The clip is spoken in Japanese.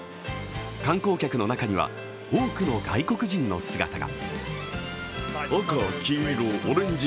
観光客の中には、多くの外国人の姿が。